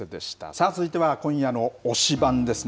さあ、続いては今夜の推しバン！ですね。